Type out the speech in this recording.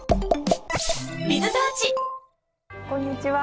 こんにちは。